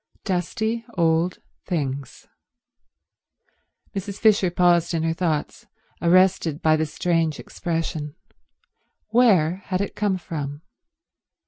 Dusty old things. Mrs. Fisher paused in her thoughts, arrested by the strange expression. Where had it come from?